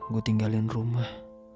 gue tinggalin rumah